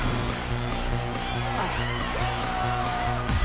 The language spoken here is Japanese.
「あっ」